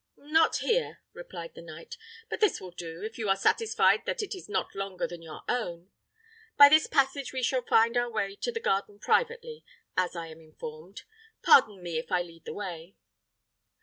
"Not here," replied the knight; "but this will do, if you are satisfied that it is not longer than your own. By this passage we shall find our way to the garden privately, as I am informed. Pardon me, if I lead the way."